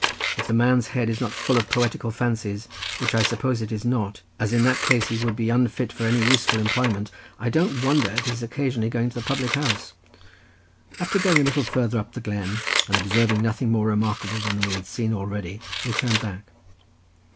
If the man's head is not full of poetical fancies, which I suppose it is not, as in that case he would be unfit for any useful employment, I don't wonder at his occasionally going to the public house." After going a little farther up the glen and observing nothing more remarkable than we had seen already, we turned back.